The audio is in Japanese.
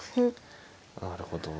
なるほど。